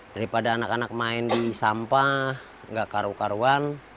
daripada anak anak main di sampah nggak karu karuan